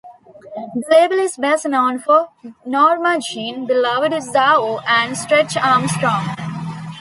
The label is best known for Norma Jean, Beloved, Zao and Stretch Arm Strong.